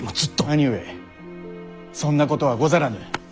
兄上そんなことはござらぬ。